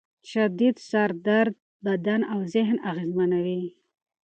شدید سر درد بدن او ذهن اغېزمنوي.